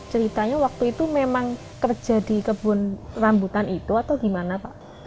ceritanya waktu itu memang kerja di kebun rambutan itu atau gimana pak